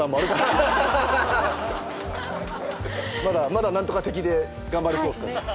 まだ「何とか的」で頑張れそうですかじゃあ。